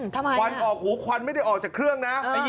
ควันออกหูควันไม่ได้ออกจากเครื่องนะ